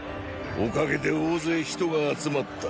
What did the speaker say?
おかげで大勢人が集まった。